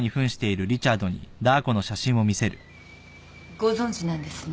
ご存じなんですね？